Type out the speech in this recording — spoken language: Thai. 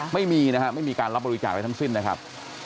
ไม่มีนะฮะไม่มีการรับบริจาคอะไรทั้งสิ้นนะครับ